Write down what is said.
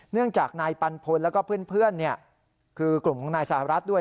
เนื่องจากนายปันพลแล้วก็เพื่อนคือกลุ่มของนายสหรัฐด้วย